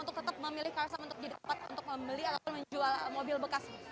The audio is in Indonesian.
untuk tetap memilih karsam untuk jadi tempat untuk membeli atau menjual mobil bekas